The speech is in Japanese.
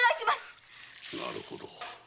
なるほど。